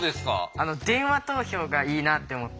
あの電話投票がいいなって思って。